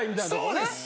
そうです